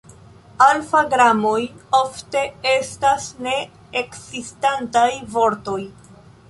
Alfa-gramoj ofte estas ne-ekzistantaj vortoj.